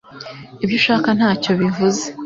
Ibyo ushaka ntacyo bivuze